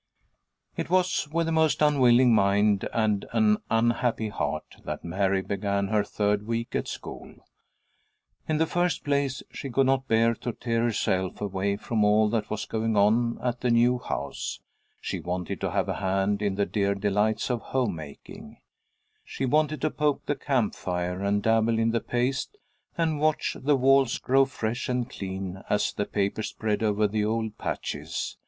IT was with a most unwilling mind and an unhappy heart that Mary began her third week at school. In the first place she could not bear to tear herself away from all that was going on at the new house. She wanted to have a hand in the dear delights of home making. She wanted to poke the camp fire, and dabble in the paste, and watch the walls grow fresh and clean as the paper spread over the old patches.